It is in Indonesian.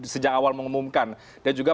sejak awal mengumumkan dan juga